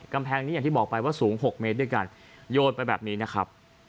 กำแพงนี้อย่างที่บอกไปว่าสูง๖เมตรด้วยกันโยนไปแบบนี้นะครับ